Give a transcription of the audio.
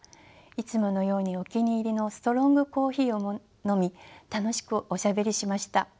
いつものようにお気に入りのストロングコーヒーを飲み楽しくおしゃべりしました。